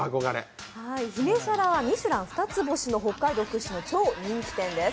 姫沙羅はミシュラン二つ星の北海道屈指の超人気店です。